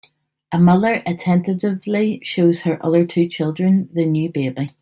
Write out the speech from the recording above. A mother attentively shows her other two children the new baby